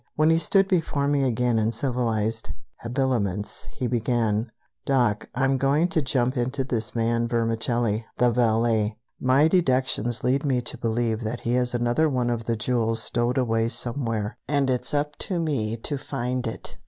When he stood before me again in civilized habiliments, he began: "Doc, I'm going to jump onto this man Vermicelli, the valet. My deductions lead me to believe that he has another one of the jewels stowed away somewhere, and it's up to me to find it."